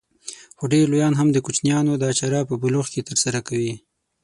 خو ډېر لويان هم د کوچنيانو دا چاره په بلوغ کې ترسره کوي.